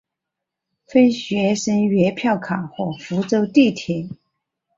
分学生月票卡和福州地铁。